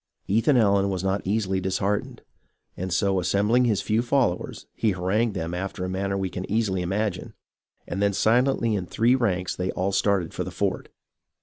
Ethan Allen was not easily disheartened, and so assem bling his few followers he harangued them after a manner we can easily imagine, and then silently in three ranks they all started for the fort.